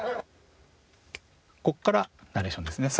ここからナレーションですね。